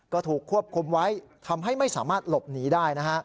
ก็ถูกควบคุมไว้ทำให้ไม่สามารถหลบหนีได้นะฮะ